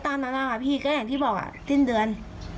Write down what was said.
ตามนั้นนะคะพี่ก็อย่างที่บอกสิ้นเดือน